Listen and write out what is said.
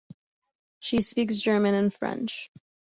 She speaks German and French.